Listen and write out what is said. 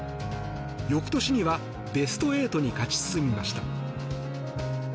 翌年にはベスト８に勝ち進みました。